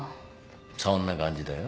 そんな感じだよ。